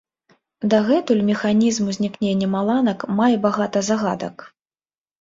Дагэтуль механізм узнікнення маланак мае багата загадак.